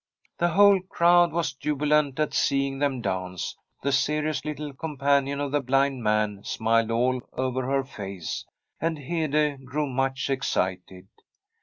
The whole crowd was jubilant at seeing them dance. The serious little companion of the blind man smiled all over her face, and Hede grew much excited.